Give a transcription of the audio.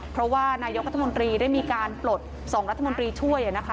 เพราะว่านายกตมศได้มีการปลด๒รัฐมนตรีช่วย